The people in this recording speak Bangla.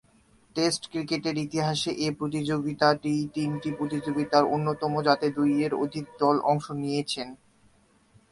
টেস্ট ক্রিকেটের ইতিহাসে এ প্রতিযোগিতাটি তিনটি প্রতিযোগিতার অন্যতম যাতে দুইয়ের অধিক দল অংশ নিয়েছে।